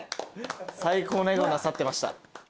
最高の笑顔なさってました。